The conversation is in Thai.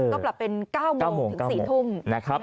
ก็ปรับเป็น๙โมงถึง๔ทุ่ม